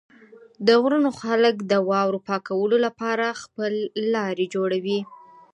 د غرونو خلک د واورو پاکولو لپاره خپل لارې جوړوي.